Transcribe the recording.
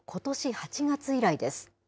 ８月以来です。